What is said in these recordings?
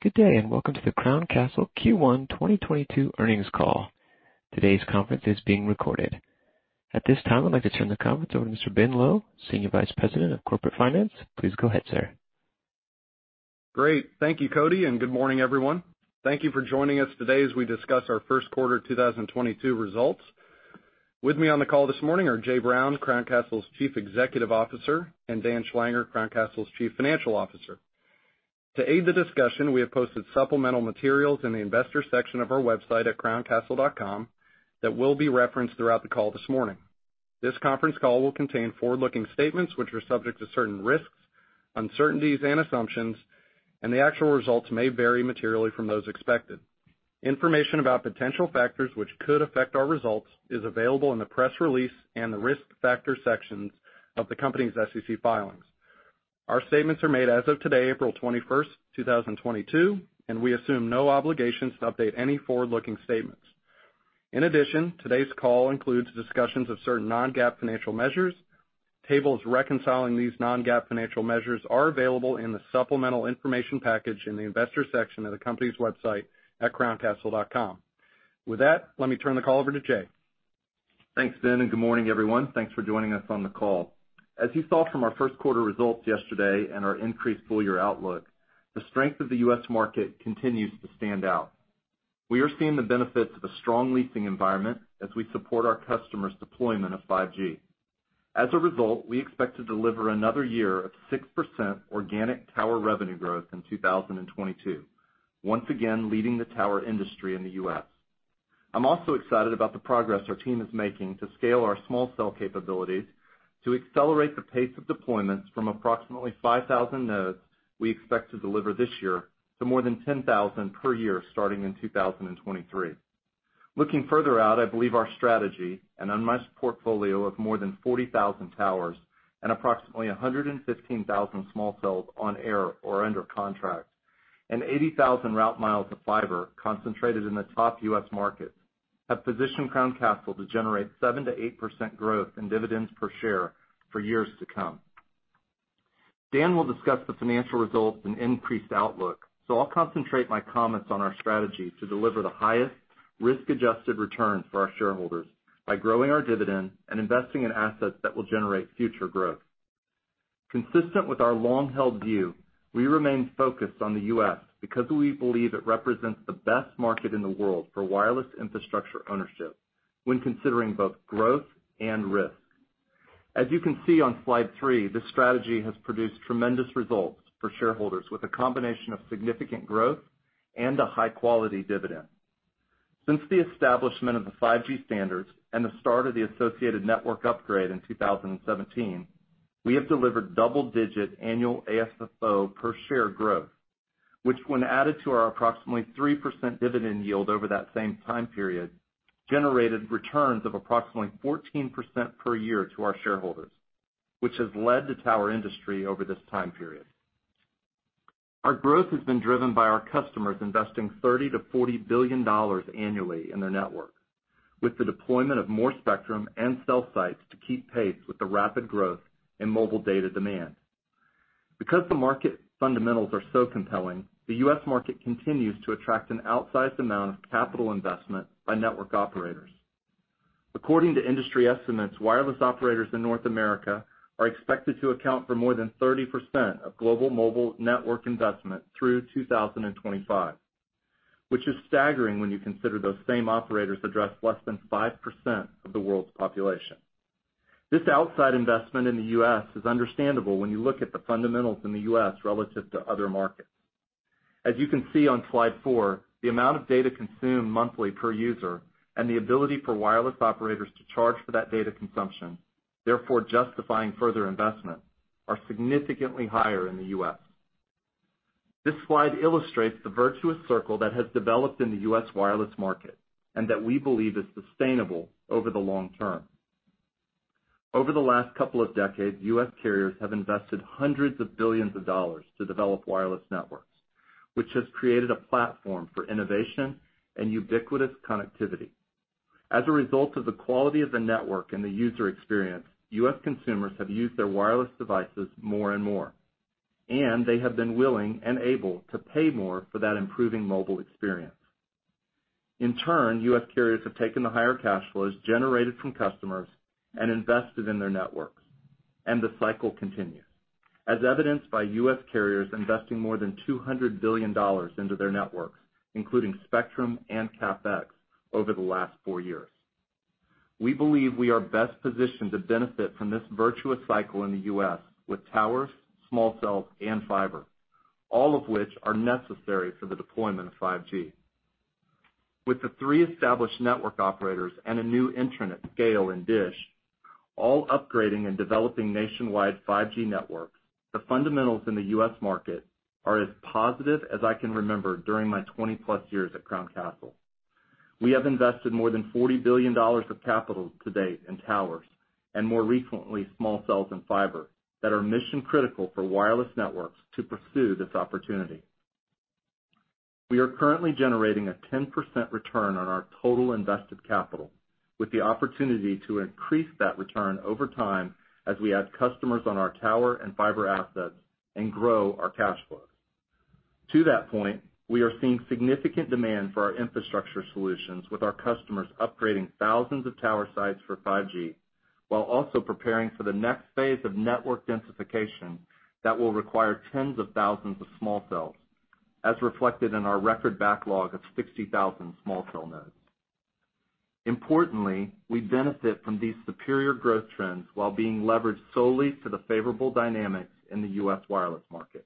Good day, and welcome to the Crown Castle Q1 2022 earnings call. Today's conference is being recorded. At this time, I'd like to turn the conference over to Mr. Ben Lowe, Senior Vice President of Corporate Finance. Please go ahead, sir. Great. Thank you, Cody, and good morning, everyone. Thank you for joining us today as we discuss our first quarter 2022 results. With me on the call this morning are Jay Brown, Crown Castle's Chief Executive Officer, and Dan Schlanger, Crown Castle's Chief Financial Officer. To aid the discussion, we have posted supplemental materials in the investor section of our website at crowncastle.com that will be referenced throughout the call this morning. This conference call will contain forward-looking statements, which are subject to certain risks, uncertainties, and assumptions, and the actual results may vary materially from those expected. Information about potential factors which could affect our results is available in the press release and the risk factor sections of the company's SEC filings. Our statements are made as of today, April 21, 2022, and we assume no obligations to update any forward-looking statements. In addition, today's call includes discussions of certain non-GAAP financial measures. Tables reconciling these non-GAAP financial measures are available in the supplemental information package in the investor section of the company's website at crowncastle.com. With that, let me turn the call over to Jay. Thanks, Ben, and good morning, everyone. Thanks for joining us on the call. As you saw from our first quarter results yesterday and our increased full-year outlook, the strength of the U.S. market continues to stand out. We are seeing the benefits of a strong leasing environment as we support our customers' deployment of 5G. As a result, we expect to deliver another year of 6% organic tower revenue growth in 2022, once again leading the tower industry in the U.S. I'm also excited about the progress our team is making to scale our small cell capabilities to accelerate the pace of deployments from approximately 5,000 nodes we expect to deliver this year to more than 10,000 per year starting in 2023. Looking further out, I believe our strategy and unmatched portfolio of more than 40,000 towers and approximately 115,000 small cells on air or under contract, and 80,000 route miles of fiber concentrated in the top U.S. markets, have positioned Crown Castle to generate 7%-8% growth in dividends per share for years to come. Dan will discuss the financial results and increased outlook, so I'll concentrate my comments on our strategy to deliver the highest risk-adjusted return for our shareholders by growing our dividend and investing in assets that will generate future growth. Consistent with our long-held view, we remain focused on the U.S. because we believe it represents the best market in the world for wireless infrastructure ownership when considering both growth and risk. As you can see on slide three, this strategy has produced tremendous results for shareholders with a combination of significant growth and a high-quality dividend. Since the establishment of the 5G standards and the start of the associated network upgrade in 2017, we have delivered double-digit annual AFFO per share growth, which when added to our approximately 3% dividend yield over that same time period, generated returns of approximately 14% per year to our shareholders, which has led the tower industry over this time period. Our growth has been driven by our customers investing $30 billion-$40 billion annually in their network with the deployment of more spectrum and cell sites to keep pace with the rapid growth in mobile data demand. Because the market fundamentals are so compelling, the U.S. market continues to attract an outsized amount of capital investment by network operators. According to industry estimates, wireless operators in North America are expected to account for more than 30% of global mobile network investment through 2025, which is staggering when you consider that those same operators address less than 5% of the world's population. This outside investment in the U.S. is understandable when you look at the fundamentals in the U.S. relative to other markets. As you can see on slide four, the amount of data consumed monthly per user and the ability for wireless operators to charge for that data consumption, therefore justifying further investment, are significantly higher in the U.S. This slide illustrates the virtuous circle that has developed in the U.S. wireless market and that we believe is sustainable over the long term. Over the last couple of decades, U.S. carriers have invested $hundreds of billions to develop wireless networks, which has created a platform for innovation and ubiquitous connectivity. As a result of the quality of the network and the user experience, U.S. consumers have used their wireless devices more and more, and they have been willing and able to pay more for that improved mobile experience. In turn, U.S. carriers have taken the higher cash flows generated from customers and invested in their networks, and the cycle continues. As evidenced by U.S. carriers investing more than $200 billion into their networks, including spectrum and CapEx over the last four years. We believe we are best positioned to benefit from this virtuous cycle in the U.S. with towers, small cells, and fiber, all of which are necessary for the deployment of 5G. With the three established network operators and a new entrant at scale in DISH, all upgrading and developing nationwide 5G networks, the fundamentals in the U.S. market are as positive as I can remember during my 20-plus years at Crown Castle. We have invested more than $40 billion of capital to date in towers, and more recently, small cells and fiber that are mission-critical for wireless networks to pursue this opportunity. We are currently generating a 10% return on our total invested capital, with the opportunity to increase that return over time as we add customers to our tower and fiber assets and grow our cash flows. To that point, we are seeing significant demand for our infrastructure solutions, with our customers upgrading thousands of tower sites for 5G, while also preparing for the next phase of network densification that will require tens of thousands of small cells, as reflected in our record backlog of 60,000 small cell nodes. Importantly, we benefit from these superior growth trends while being leveraged solely to the favorable dynamics in the U.S. wireless market.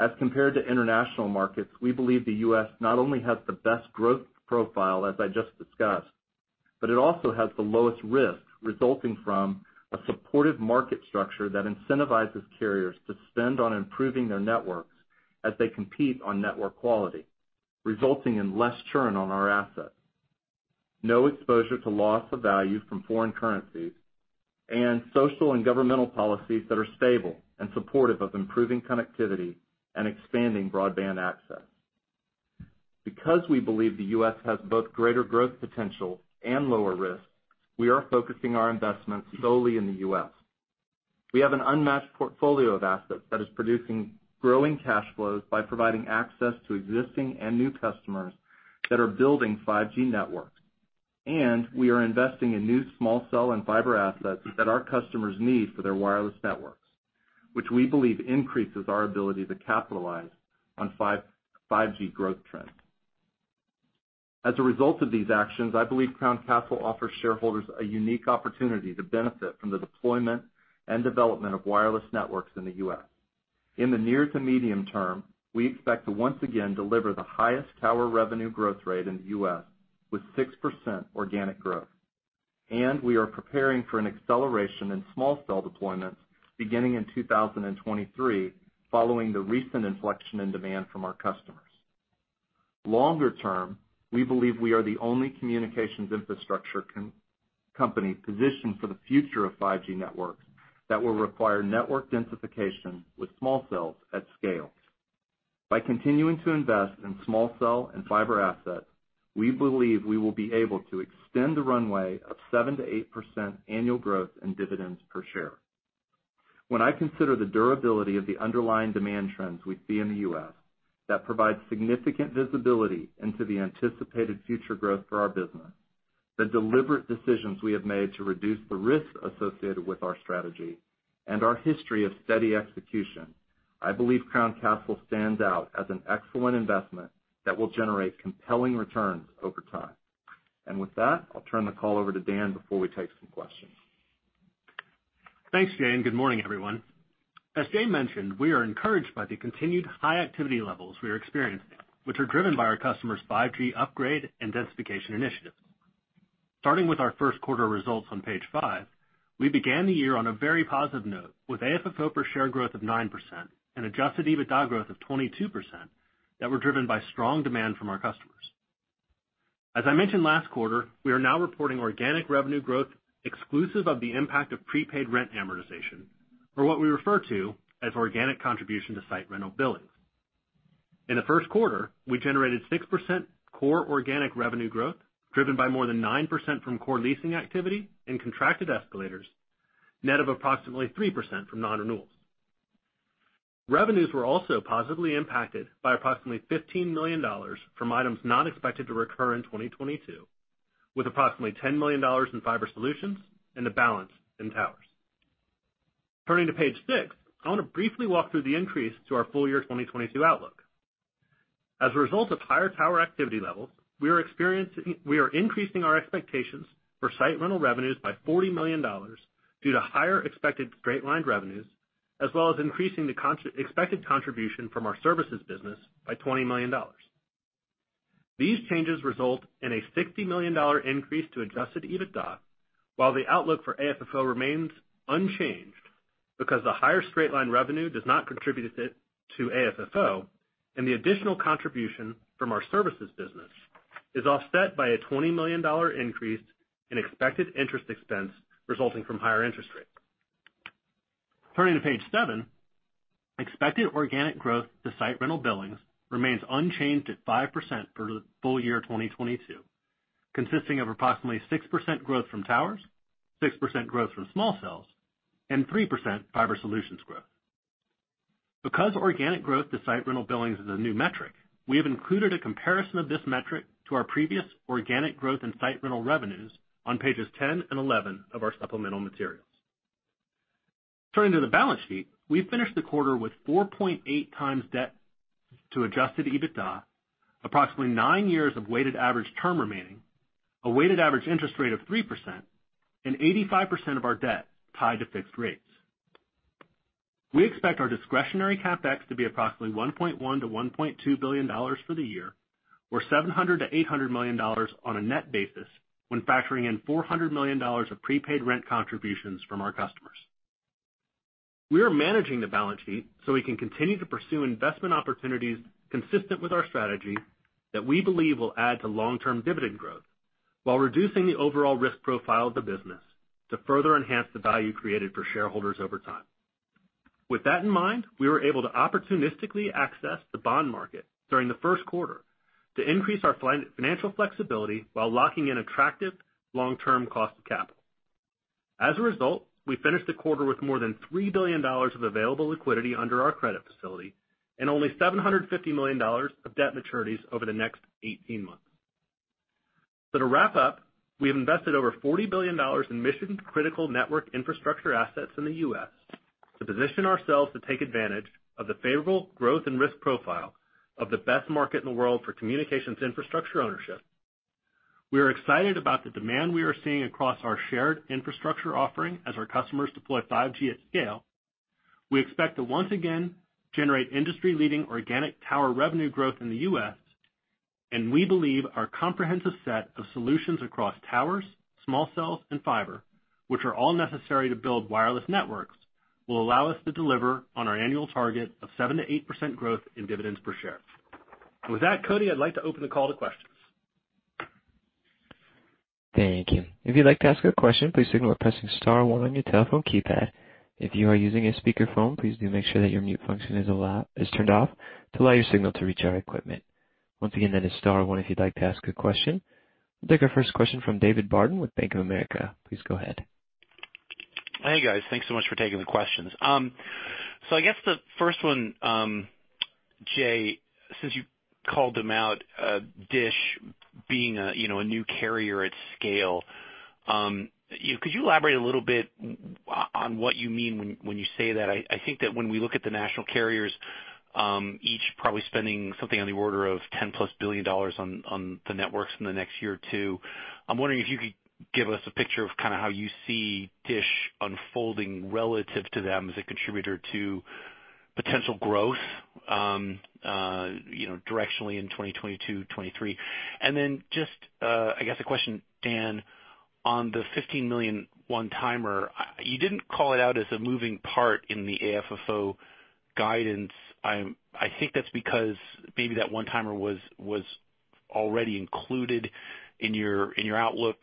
As compared to international markets, we believe the U.S. not only has the best growth profile as I just discussed, but it also has the lowest risk resulting from a supportive market structure that incentivizes carriers to spend on improving their networks as they compete on network quality, resulting in less churn on our assets, no exposure to loss of value from foreign currencies, and social and governmental policies that are stable and supportive of improving connectivity and expanding broadband access. Because we believe the U.S. has both greater growth potential and lower risk, we are focusing our investments solely in the U.S. We have an unmatched portfolio of assets that is producing growing cash flows by providing access to existing and new customers who are building 5G networks. We are investing in new small cell and fiber assets that our customers need for their wireless networks, which we believe increases our ability to capitalize on 5G growth trends. As a result of these actions, I believe Crown Castle offers shareholders a unique opportunity to benefit from the deployment and development of wireless networks in the U.S. In the near to medium term, we expect to once again deliver the highest tower revenue growth rate in the U.S. with 6% organic growth. We are preparing for an acceleration in small cell deployments beginning in 2023 following the recent inflection in demand from our customers. Long-term, we believe we are the only communications infrastructure company positioned for the future of 5G networks that will require network densification with small cells at scale. By continuing to invest in small cell and fiber assets, we believe we will be able to extend the runway of 7%-8% annual growth in dividends per share. When I consider the durability of the underlying demand trends we see in the U.S., which provides significant visibility into the anticipated future growth for our business, the deliberate decisions we have made to reduce the risks associated with our strategy, and our history of steady execution, I believe Crown Castle stands out as an excellent investment that will generate compelling returns over time. With that, I'll turn the call over to Dan before we take some questions. Thanks, Jay, and good morning, everyone. As Jay mentioned, we are encouraged by the continued high activity levels we are experiencing, which are driven by our customers' 5G upgrade and densification initiatives. Starting with our first quarter results on page five, we began the year on a very positive note with AFFO per share growth of 9% and Adjusted EBITDA growth of 22% that were driven by strong demand from our customers. As I mentioned last quarter, we are now reporting organic revenue growth exclusive of the impact of prepaid rent amortization, or what we refer to as organic contribution to site rental billings. In the first quarter, we generated 6% core organic revenue growth, driven by more than 9% from core leasing activity and contracted escalators, net of approximately 3% from non-renewals. Revenues were also positively impacted by approximately $15 million from items not expected to recur in 2022, with approximately $10 million in fiber solutions and the balance in towers. Turning to page six, I wanna briefly walk through the increase to our full year 2022 outlook. As a result of higher tower activity levels, we are increasing our expectations for site rental revenues by $40 million due to higher expected straight-line revenues, as well as increasing the expected contribution from our services business by $20 million. These changes result in a $60 million increase to Adjusted EBITDA, while the outlook for AFFO remains unchanged because the higher straight-line revenue does not contribute to AFFO, and the additional contribution from our services business is offset by a $20 million increase in expected interest expense resulting from higher interest rates. Turning to page seven, expected organic growth to site rental billings remains unchanged at 5% for the full year 2022, consisting of approximately 6% growth from towers, 6% growth from small cells, and 3% fiber solutions growth. Because organic growth to site rental billings is a new metric, we have included a comparison of this metric to our previous organic growth in site rental revenues on pages 10 and 11 of our supplemental materials. Turning to the balance sheet, we finished the quarter with 4.8x debt to Adjusted EBITDA, approximately nine years of weighted average term remaining, a weighted average interest rate of 3%, and 85% of our debt tied to fixed rates. We expect our discretionary CapEx to be approximately $1.1 billion-$1.2 billion for the year or $700 million-$800 million on a net basis when factoring in $400 million of prepaid rent contributions from our customers. We are managing the balance sheet so we can continue to pursue investment opportunities consistent with the strategy that we believe will add to long-term dividend growth while reducing the overall risk profile of the business to further enhance the value created for shareholders over time. With that in mind, we were able to opportunistically access the bond market during the first quarter to increase our financial flexibility while locking in an attractive long-term cost of capital. As a result, we finished the quarter with more than $3 billion of available liquidity under our credit facility and only $750 million of debt maturities over the next 18 months. To wrap up, we have invested over $40 billion in mission-critical network infrastructure assets in the U.S. to position ourselves to take advantage of the favorable growth and risk profile of the best market in the world for communications infrastructure ownership. We are excited about the demand we are seeing across our shared infrastructure offering as our customers deploy 5G at scale. We expect to once again generate industry-leading organic tower revenue growth in the U.S., and we believe our comprehensive set of solutions across towers, small cells and fiber, which are all necessary to build wireless networks, will allow us to deliver on our annual target of 7%-8% growth in dividends per share. With that, Cody, I'd like to open the call to questions. Thank you. If you'd like to ask a question, please signal by pressing star one on your telephone keypad. If you are using a speakerphone, please do make sure that your mute function is turned off to allow your signal to reach our equipment. Once again, that is star one if you'd like to ask a question. We'll take our first question from David Barden with Bank of America. Please go ahead. Hey, guys. Thanks so much for taking the questions. So I guess the first one, Jay, since you called them out, Dish being a, you know, a new carrier at scale, could you elaborate a little bit on what you mean when you say that? I think that when we look at the national carriers, each probably spending something on the order of $10+ billion on the networks in the next year or two, I'm wondering if you could give us a picture of kinda how you see Dish unfolding relative to them as a contributor to potential growth, you know, directionally in 2022, 2023. Then, I guess a question, Dan, on the $15 million one-timer. You didn't call it out as a moving part in the AFFO guidance. I think that's because maybe that one-timer was already included in your outlook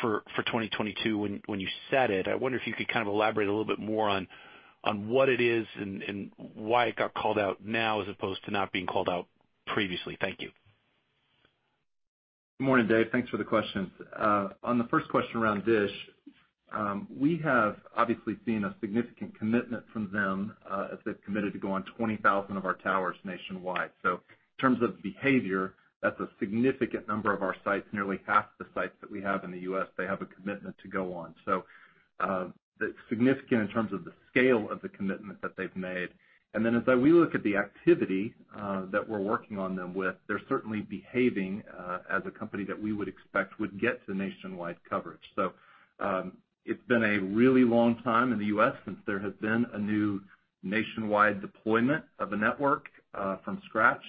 for 2022 when you said it. I wonder if you could kind of elaborate a little bit more on what it is and why it got called out now, as opposed to not being called out previously. Thank you. Good morning, Dave. Thanks for the questions. On the first question around DISH, we have obviously seen a significant commitment from them, as they've committed to go on 20,000 of our towers nationwide. In terms of behavior, that's a significant number of our sites. Nearly half the sites that we have in the U.S. have a commitment to go on. It's significant in terms of the scale of the commitment that they've made. We look at the activity that we're working on with them, they're certainly behaving as a company that we would expect would get to nationwide coverage. It's been a really long time in the U.S. since there has been a new nationwide deployment of a network from scratch.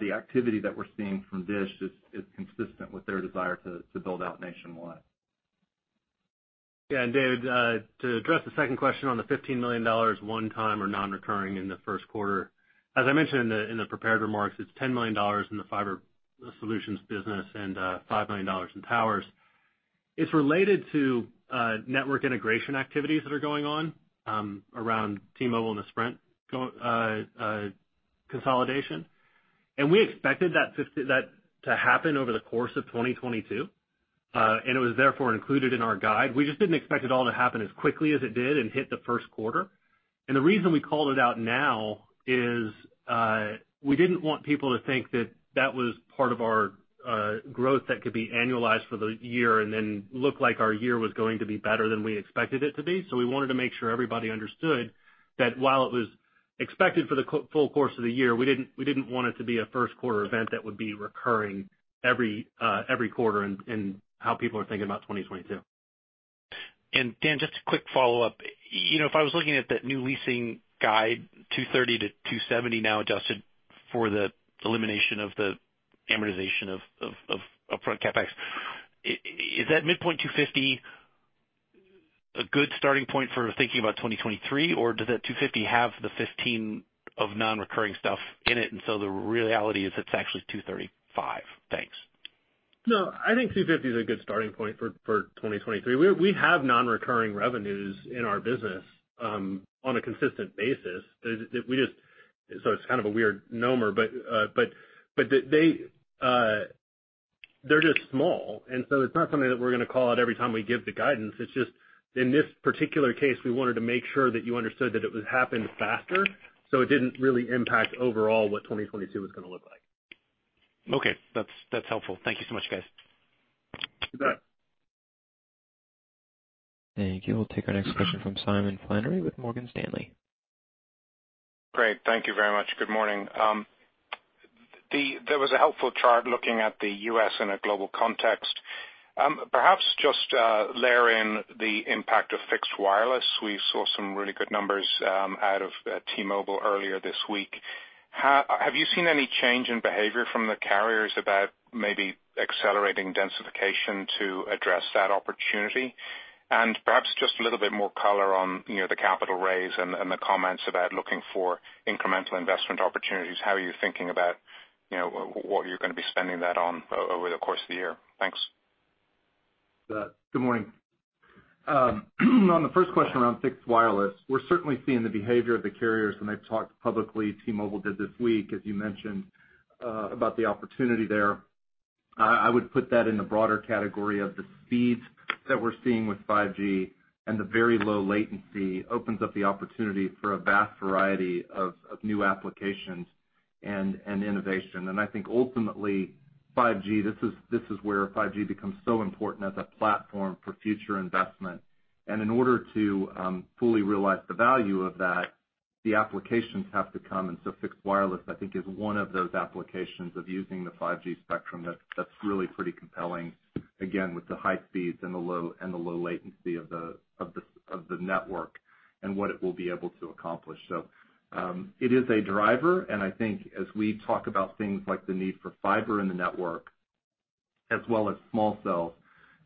The activity that we're seeing from DISH is consistent with their desire to build out nationwide. Yeah. David, to address the second question on the $15 million one-time or non-recurring in the first quarter, as I mentioned in the prepared remarks, it's $10 million in the fiber solutions business and $5 million in towers. It's related to network integration activities that are going on around T-Mobile and the Sprint consolidation. We expected that to happen over the course of 2022, and it was therefore included in our guide. We just didn't expect it all to happen as quickly as it did, and hit the first quarter. The reason we called it out now is that we didn't want people to think that that was part of our growth that could be annualized for the year and then look like our year was going to be better than we expected it to be. We wanted to make sure everybody understood that while it was expected for the full course of the year, we didn't want it to be a first-quarter event that would be recurring every quarter in how people are thinking about 2022. Dan, just a quick follow-up. You know, if I was looking at that new leasing guide, $230-$270, now adjusted for the elimination of the amortization of upfront CapEx, is that midpoint $250 a good starting point for thinking about 2023, or does that $250 have the $15 of non-recurring stuff in it and so the reality is it's actually $235? Thanks. No, I think 250 is a good starting point for 2023. We have non-recurring revenues in our business on a consistent basis. It's kind of a weird number. They're just small, and so it's not something that we're gonna call out every time we give the guidance. It's just in this particular case, we wanted to make sure that you understood that it would happen faster, so it didn't really impact overall what 2022 was gonna look like. Okay. That's helpful. Thank you so much, guys. You bet. Thank you. We'll take our next question from Simon Flannery with Morgan Stanley. Great. Thank you very much. Good morning. There was a helpful chart looking at the U.S. in a global context. Perhaps just layer in the impact of fixed wireless. We saw some really good numbers out of T-Mobile earlier this week. Have you seen any change in behavior from the carriers about maybe accelerating densification to address that opportunity? Perhaps just a little bit more color on, you know, the capital raise and the comments about looking for incremental investment opportunities. How are you thinking about, you know, what you're gonna be spending that on over the course of the year? Thanks. Good morning. On the first question around fixed wireless, we're certainly seeing the behavior of the carriers when they've talked publicly, T-Mobile did this week, as you mentioned, about the opportunity there. I would put that in the broader category of the speeds that we're seeing with 5G, and the very low latency opens up the opportunity for a wide variety of new applications and innovation. I think ultimately, 5G, this is where 5G becomes so important as a platform for future investment. In order to fully realize the value of that, the applications have to come. Fixed wireless, I think, is one of those applications of using the 5G spectrum that's really pretty compelling, again, with the high speeds and the low latency of the network and what it will be able to accomplish. It is a driver, and I think as we talk about things like the need for fiber in the network, as well as small cells,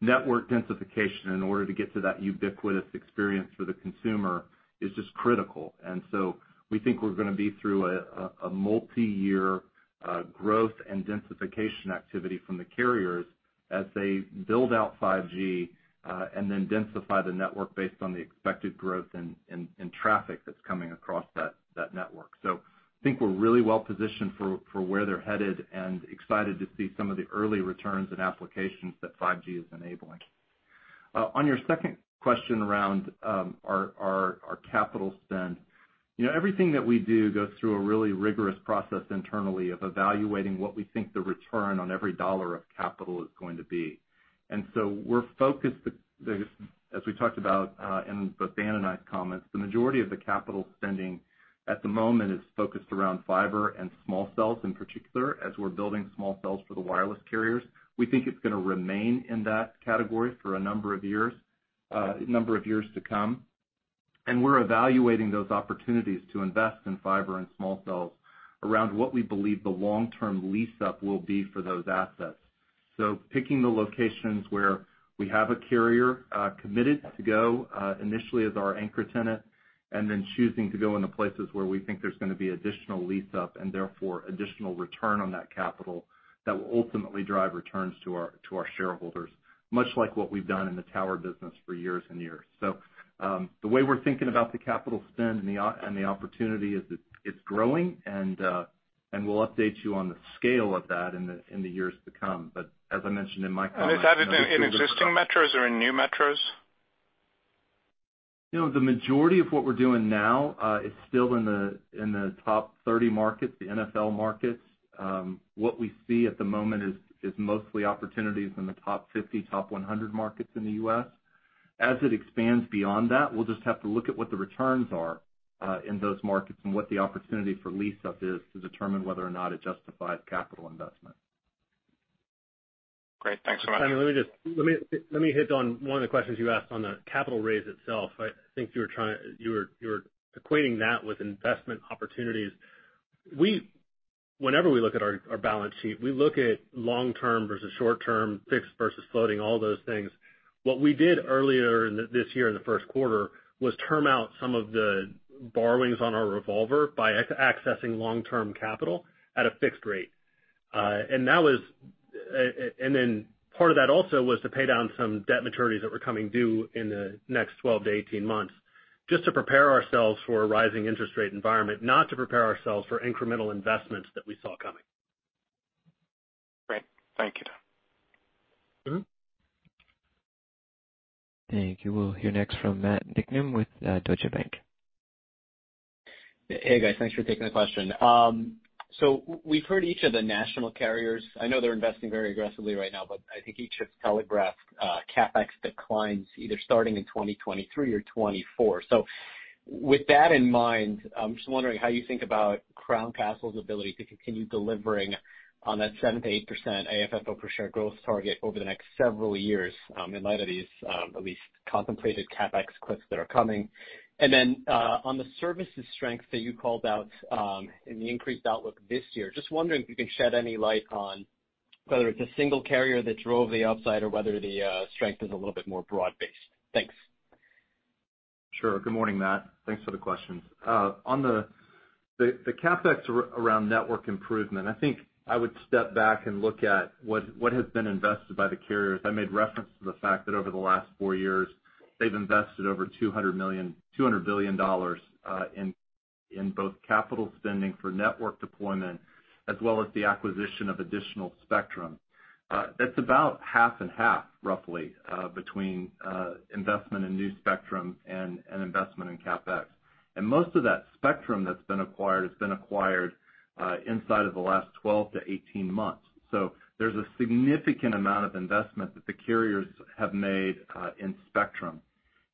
network densification in order to get to that ubiquitous experience for the consumer is just critical. We think we're gonna be through a multiyear growth and densification activity from the carriers as they build out 5G and then densify the network based on the expected growth and traffic that's coming across that network. I think we're really well-positioned for where they're headed and excited to see some of the early returns and applications that 5G is enabling. On your second question around our capital spend, you know, everything that we do goes through a really rigorous process internally of evaluating what we think the return on every dollar of capital is going to be. We're focused, as we talked about, in both Dan and I's comments, the majority of the capital spending at the moment is focused around fiber and small cells in particular, as we're building small cells for the wireless carriers. We think it's gonna remain in that category for a number of years to come. We're evaluating those opportunities to invest in fiber and small cells around what we believe the long-term lease-up will be for those assets. Picking the locations where we have a carrier committed to go initially as our anchor tenant, and then choosing to go into places where we think there's gonna be additional lease-up, and therefore additional return on that capital that will ultimately drive returns to our shareholders, much like what we've done in the tower business for years and years. The way we're thinking about the capital spend and the opportunity is that it's growing, and we'll update you on the scale of that in the years to come. As I mentioned in my comments. Is that in existing metros or in new metros? You know, the majority of what we're doing now is still in the top 30 markets, the NFL markets. What we see at the moment is mostly opportunities in the top 50, top 100 markets in the U.S. As it expands beyond that, we'll just have to look at what the returns are in those markets and what the opportunity for lease up is to determine whether or not it justifies capital investment. Great. Thanks so much. Simon, let me hit on one of the questions you asked on the capital raise itself. I think you were equating that with investment opportunities. Whenever we look at our balance sheet, we look at long-term versus short-term, fixed versus floating, all those things. What we did earlier in this year in the first quarter was term out some of the borrowings on our revolver by accessing long-term capital at a fixed rate. That was, and then part of that also was to pay down some debt maturities that were coming due in the next 12-18 months, just to prepare ourselves for a rising interest rate environment, not to prepare ourselves for incremental investments that we saw coming. Great. Thank you, Dan. Mm-hmm. Thank you. We'll hear next from Matt Niknam with Deutsche Bank. Hey, guys. Thanks for taking the question. We've heard from each of the national carriers. I know they're investing very aggressively right now, but I think each has telegraphed CapEx declines either starting in 2023 or 2024. With that in mind, I'm just wondering how you think about Crown Castle's ability to continue delivering on that 7%-8% AFFO per share growth target over the next several years, in light of these at least contemplated CapEx cliffs that are coming. On the services strength that you called out in the increased outlook this year, just wondering if you can shed any light on whether it's a single carrier that drove the upside or whether the strength is a little bit more broad-based. Thanks. Sure. Good morning, Matt. Thanks for the questions. On the CapEx around network improvement, I think I would step back and look at what has been invested by the carriers. I made reference to the fact that over the last four years, they've invested over $200 billion in both capital spending for network deployment as well as the acquisition of additional spectrum. That's about half and half, roughly, between investment in new spectrum and investment in CapEx. Most of that spectrum that's been acquired has been acquired inside of the last 12 to 18 months. There's a significant amount of investment that the carriers have made in spectrum.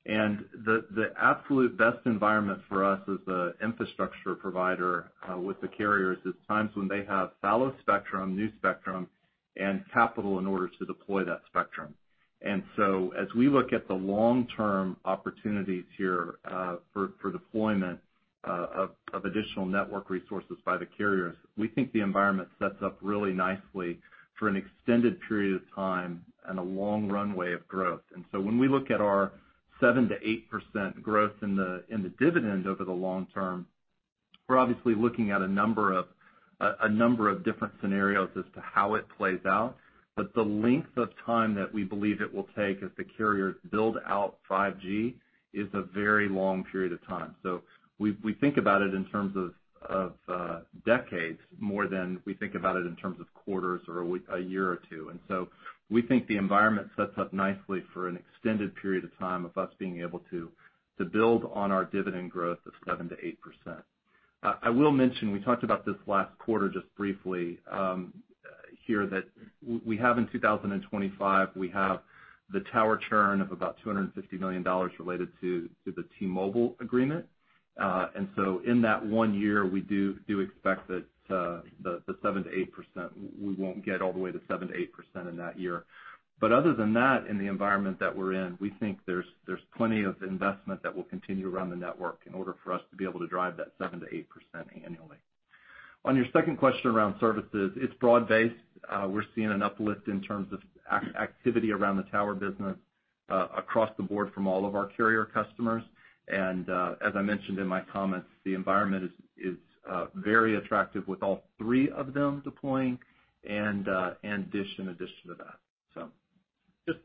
The absolute best environment for us as an infrastructure provider with the carriers is when they have fallow spectrum, new spectrum, and capital in order to deploy that spectrum. As we look at the long-term opportunities here for deployment of additional network resources by the carriers, we think the environment sets up really nicely for an extended period of time and a long runway of growth. When we look at our 7%-8% growth in the dividend over the long term, we're obviously looking at a number of different scenarios as to how it plays out. But the length of time that we believe it will take as the carriers build out 5G is a very long period of time. We think about it in terms of decades more than we think about it in terms of quarters or a year or two. We think the environment sets up nicely for an extended period of time of us being able to build on our dividend growth of 7%-8%. I will mention, that we talked about this last quarter just briefly, here that we have in 2025, we have the tower churn of about $250 million related to the T-Mobile agreement. In that one year, we do expect that the 7%-8%, we won't get all the way to 7%-8% in that year. Other than that, in the environment that we're in, we think there's plenty of investment that will continue around the network in order for us to be able to drive that 7%-8% annually. On your second question around services, it's broad-based. We're seeing an uplift in terms of activity around the tower business across the board from all of our carrier customers. As I mentioned in my comments, the environment is very attractive with all three of them deploying and DISH in addition to that, so. Just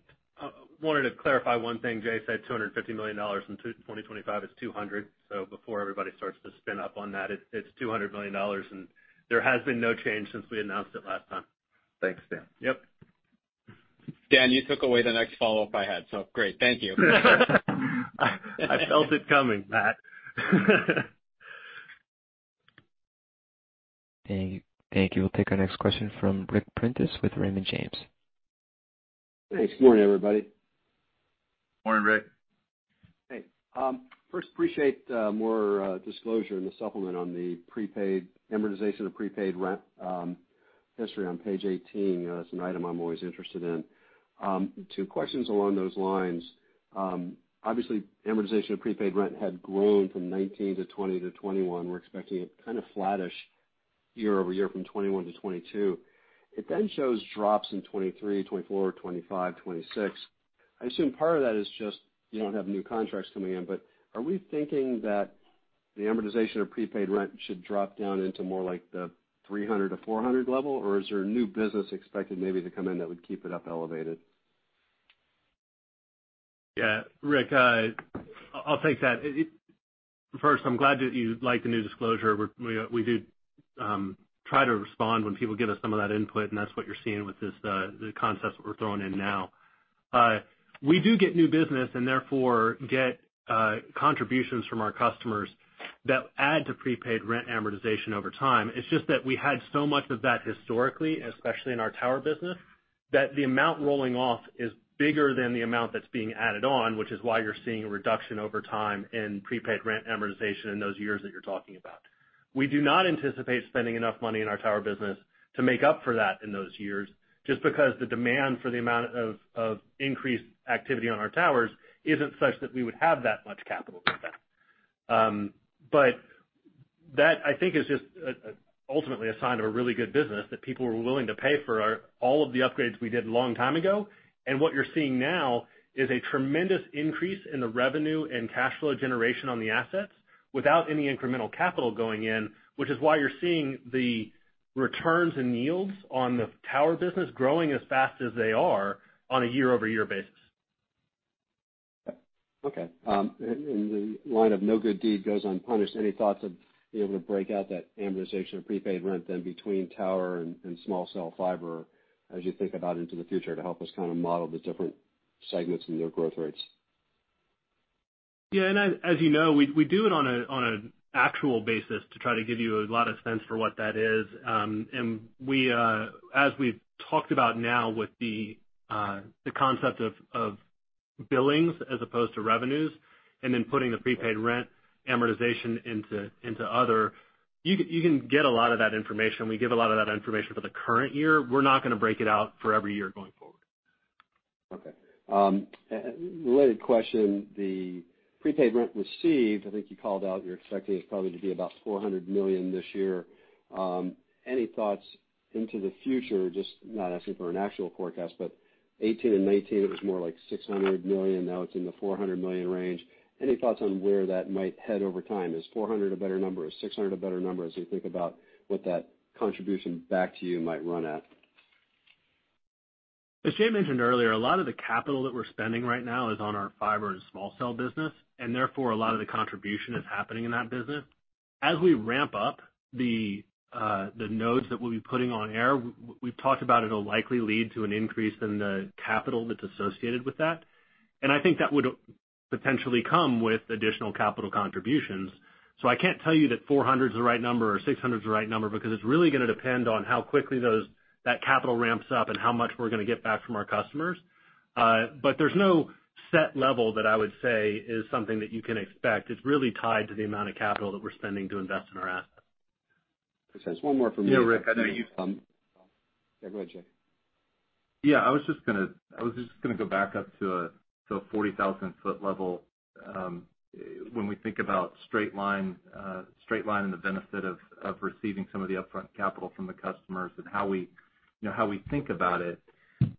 wanted to clarify one thing. Jay said $250 million in 2025, it's $200. Before everybody starts to spin up on that, it's $200 million, and there has been no change since we announced it last time. Thanks, Dan. Yep. Dan, you took away the next follow-up I had, so great. Thank you. I felt it coming, Matt. Thank you. We'll take our next question from Ric Prentiss with Raymond James. Thanks. Morning, everybody. Morning, Ric. Hey. I first appreciate more disclosure in the supplement on the prepaid amortization of prepaid rent history on page 18. That's an item I'm always interested in. Two questions along those lines. Obviously, amortization of prepaid rent had grown from 2019 to 2020 to 2021. We're expecting it to be kind of flattish year over year from 2021 to 2022. It then shows drops in 2023, 2024, 2025, and 2026. I assume part of that is just you don't have new contracts coming in, but are we thinking that the amortization of prepaid rent should drop down into more like the $300-$400 level, or is there new business expected, maybe to come in that would keep it up elevated? Yeah, Ric, I'll take that. First, I'm glad that you like the new disclosure. We do try to respond when people give us some of that input, and that's what you're seeing with this, the concepts that we're throwing in now. We do get new business and therefore get contributions from our customers that add to prepaid rent amortization over time. It's just that we had so much of that historically, especially in our tower business, that the amount rolling off is bigger than the amount that's being added on, which is why you're seeing a reduction over time in prepaid rent amortization in those years that you're talking about. We do not anticipate spending enough money in our tower business to make up for that in those years, just because the demand for the amount of increased activity on our towers isn't such that we would have that much capital to invest. But I think is just ultimately a sign of a really good business that people are willing to pay for our all of the upgrades we did long time ago. What you're seeing now is a tremendous increase in the revenue and cash flow generation on the assets without any incremental capital going in, which is why you're seeing the returns and yields on the tower business growing as fast as they are on a year-over-year basis. Okay. In the line of no good deed goes unpunished, any thoughts of being able to break out that amortization of prepaid rent then between tower and small cell fiber as you think about into the future to help us kind of model the different segments and their growth rates? Yeah. As you know, we do it on an actual basis to try to give you a lot of sense for what that is. As we've talked about now with the concept of billings as opposed to revenues and then putting the prepaid rent amortization into the other, you can get a lot of that information. We give a lot of that information for the current year. We're not gonna break it out for every year going forward. Okay. A related question is the prepaid rent received. I think you called out that you're expecting it to be about $400 million this year. Any thoughts into the future, just not asking for an actual forecast, but 2018 and 2019, it was more like $600 million, now it's in the $400 million range. Any thoughts on where that might head over time? Is $400 a better number? Is $600 a better number as you think about what that contribution back to you might run at? As Jay mentioned earlier, a lot of the capital that we're spending right now is on our fiber and small cell business, and therefore, a lot of the contribution is happening in that business. As we ramp up the nodes that we'll be putting on air, we've talked about it, which will likely lead to an increase in the capital that's associated with that. I think that would potentially come with additional capital contributions. I can't tell you that $400's the right number or $600's the right number because it's really gonna depend on how quickly that capital ramps up and how much we're gonna get back from our customers. But there's no set level that I would say is something that you can expect. It's really tied to the amount of capital that we're spending to invest in our assets. Just one more for me. Yeah, Ric, I know you- Yeah, go ahead, Jay. Yeah, I was just gonna go back up to a 40,000-foot level. When we think about straight-line and the benefit of receiving some of the upfront capital from the customers and how we, you know, how we think about it,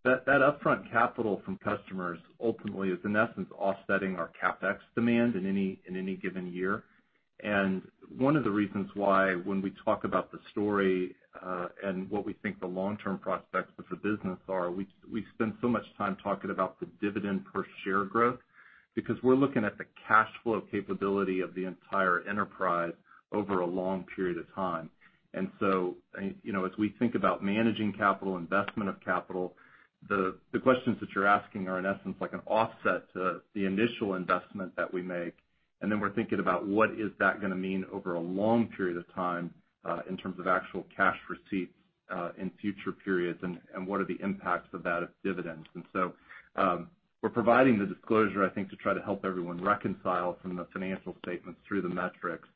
that upfront capital from customers ultimately is in essence offsetting our CapEx demand in any given year. One of the reasons why when we talk about the story and what we think the long-term prospects of the business are, we spend so much time talking about the dividend per share growth because we're looking at the cash flow capability of the entire enterprise over a long period of time. You know, as we think about managing capital, investment of capital, the questions that you're asking are in essence like an offset to the initial investment that we make, and then we're thinking about what is that gonna mean over a long period of time, in terms of actual cash receipts, in future periods, and what are the impacts of that of dividends. We're providing the disclosure, I think, to try to help everyone reconcile from the financial statements through the metrics.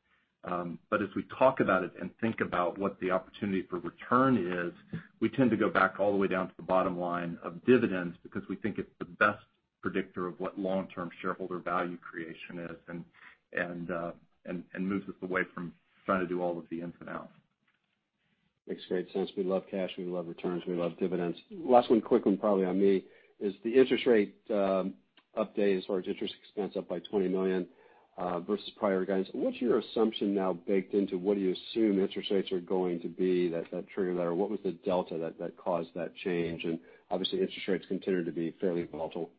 As we talk about it and think about what the opportunity for return is, we tend to go back all the way down to the bottom line of dividends because we think it's the best predictor of what long-term shareholder value creation is and moves us away from trying to do all of the ins and outs. Makes great sense. We love cash, we love returns, we love dividends. Last one, quick one probably on me is the interest rate update as far as interest expense up by $20 million versus prior guidance. What's your assumption now baked into what do you assume interest rates are going to be that trigger there? What was the delta that caused that change? Obviously, interest rates continue to be fairly volatile.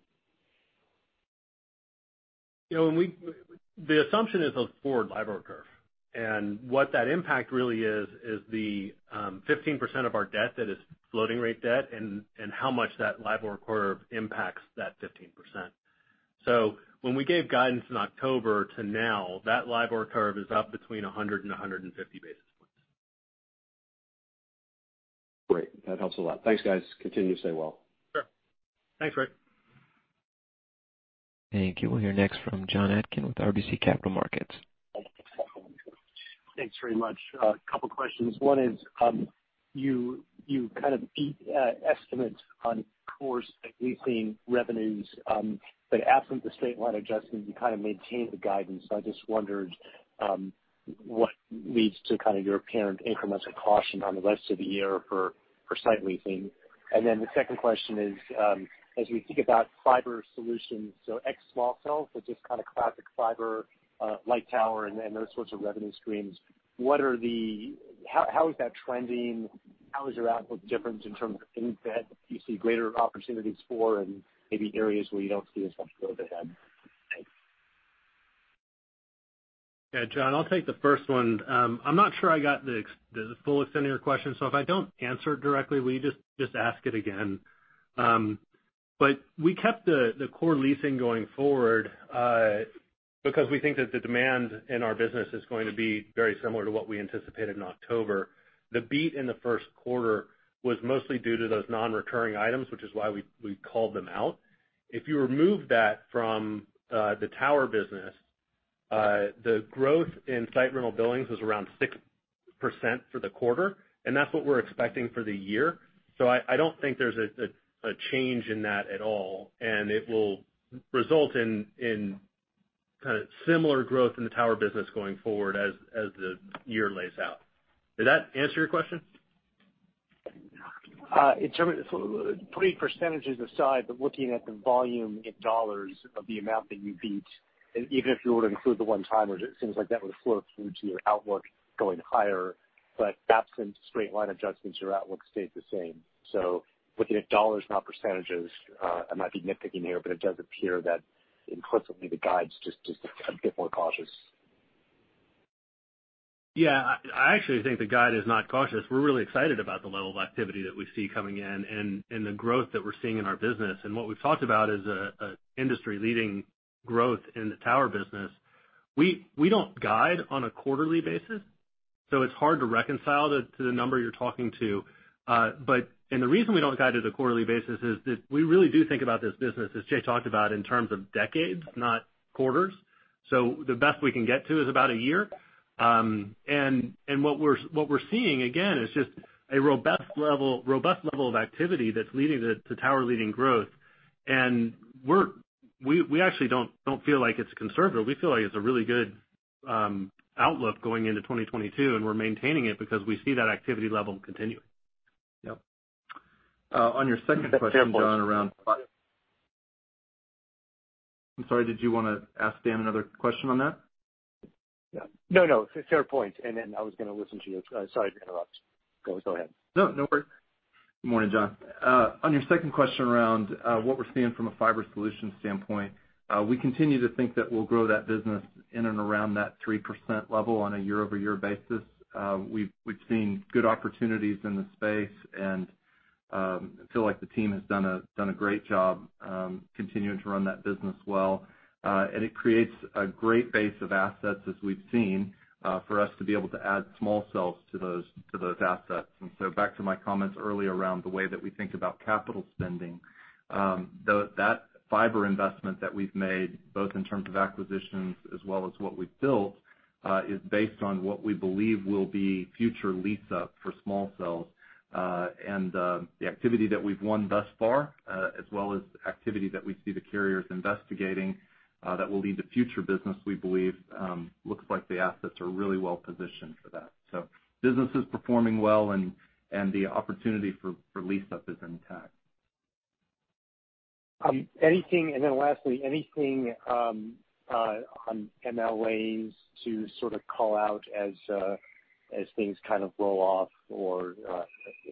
You know, the assumption is a forward LIBOR curve. What that impact really is is the 15% of our debt that is floating rate debt and how much that LIBOR curve impacts that 15%. When we gave guidance in October to now, that LIBOR curve is up between 100 and 150 basis points. Great. That helps a lot. Thanks, guys. Continue to stay well. Sure. Thanks, Ric. Thank you. We'll hear next from Jonathan Atkin with RBC Capital Markets. Thanks very much. A couple questions. One is, you kind of beat estimates on core site leasing revenues, but absent the straight-line adjustments, you kind of maintained the guidance. I just wondered, what leads to kind of your apparent incremental caution on the rest of the year for site leasing. The second question is, as we think about fiber solutions, so ex small cells, so just kind of classic fiber, Lightower, and those sorts of revenue streams, how is that trending? How is your outlook different in terms of things that you see greater opportunities for and maybe areas where you don't see as much growth ahead? Thanks. Yeah, John, I'll take the first one. I'm not sure I got the full extent of your question, so if I don't answer it directly, will you just ask it again? We kept the core leasing going forward because we think that the demand in our business is going to be very similar to what we anticipated in October. The beat in the first quarter was mostly due to those non-recurring items, which is why we called them out. If you remove that from the tower business, the growth in site rental billings was around 6% for the quarter, and that's what we're expecting for the year. I don't think there's a change in that at all, and it will result in kind of similar growth in the tower business going forward as the year plays out. Did that answer your question? Putting percentages aside, but looking at the volume in dollars of the amount that you beat, even if you were to include the one-timers, it seems like that would flow through to your outlook going higher. Absent straight-line adjustments, your outlook stays the same. Looking at dollars, not percentages, I might be nitpicking here, but it does appear that implicitly the guide's just a bit more cautious. Yeah. I actually think the guide is not cautious. We're really excited about the level of activity that we see coming in and the growth that we're seeing in our business. What we've talked about is an industry-leading growth in the tower business. We don't guide on a quarterly basis, so it's hard to reconcile with the number you're talking to. The reason we don't guide on a quarterly basis is that we really do think about this business, as Jay talked about, in terms of decades, not quarters. The best we can get to is about a year. What we're seeing, again, is just a robust level of activity that's leading to tower-leading growth. We actually don't feel like it's conservative. We feel like it's a really good outlook going into 2022, and we're maintaining it because we see that activity level continuing. Yep. On your second question, John, around- That's a fair point. I'm sorry, did you wanna ask Dan another question on that? No, no, fair point. I was gonna listen to you. Sorry to interrupt. Go ahead. No, no worries. Good morning, John. On your second question around what we're seeing from a fiber solutions standpoint, we continue to think that we'll grow that business in and around that 3% level on a year-over-year basis. We've seen good opportunities in the space and feel like the team has done a great job continuing to run that business well. It creates a great base of assets, as we've seen, for us to be able to add small cells to those assets. Back to my comments earlier around the way that we think about capital spending, that fiber investment that we've made, both in terms of acquisitions as well as what we've built, is based on what we believe will be future lease up for small cells. The activity that we've won thus far, as well as activity that we see the carriers investigating, that will lead to future business, we believe, looks like the assets are really well positioned for that. Business is performing well and the opportunity for lease up is intact. Lastly, anything on MLAs to sort of call out as things kind of roll off or,